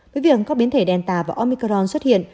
với việc có biến thể delta và omicron xuất hiện